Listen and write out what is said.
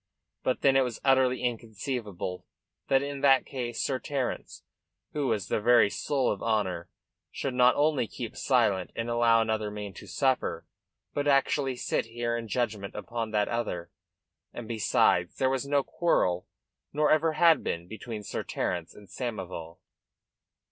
But then it was utterly inconceivable that in that case Sir Terence, who was the very soul of honour, should not only keep silent and allow another man to suffer, but actually sit there in judgment upon that other; and, besides, there was no quarrel, nor ever had been, between Sir Terence and Samoval.